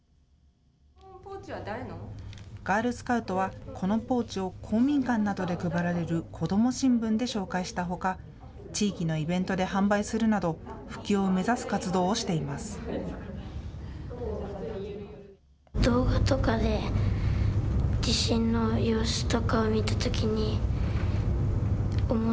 ガールスカウトはこのポーチを公民館などで配られる子ども新聞で紹介したほか地域のイベントで販売するなど普及を目指す活動をしています。